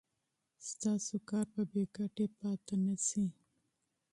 ستاسو کار به بې ګټې پاتې نشي.